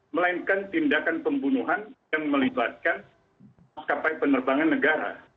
melainkan tindakan pembunuhan yang melibatkan maskapai penerbangan negara